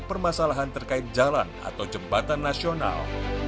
permasalahan terkait jalan atau jembatan nasional